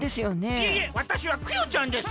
いえいえわたしはクヨちゃんです！